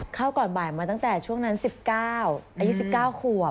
ก่อนบ่ายมาตั้งแต่ช่วงนั้น๑๙อายุ๑๙ขวบ